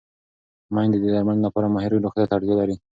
مېندې د درملنې لپاره ماهر ډاکټر ته اړتیا لري.